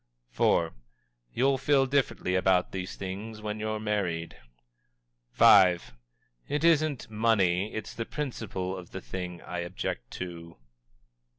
_" IV. "You'll feel differently about these things when you're married!" V. "_It isn't money, it's the PRINCIPLE of the thing I object to.